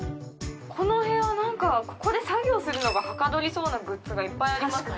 このお部屋は何かここで作業するのがはかどりそうなグッズがいっぱいありますね